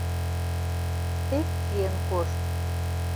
— Тек чиен кошт!